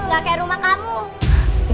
gak kayak rumah kamu